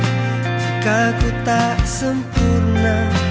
jika aku tak sempurna